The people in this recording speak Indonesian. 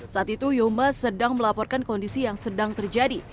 saat itu yoma sedang melaporkan kondisi yang sedang terjadi